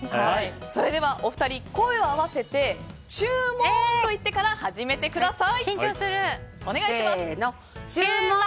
それでは、お二人声を合わせてちゅうもーん！と言ってから始めてください。